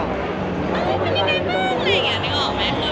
ขอบคุณภาษาให้ด้วยเนี่ย